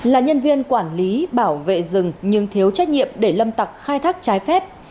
là nhân viên quản lý bảo vệ rừng nhưng thiếu trách nhiệm để lâm tặc khai thác trái phép